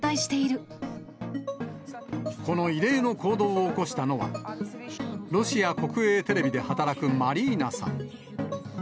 この異例の行動を起こしたのは、ロシア国営テレビで働くマリーナさん。